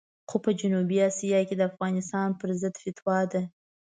خو په جنوبي اسیا کې د افغانستان پرضد فتوا ده.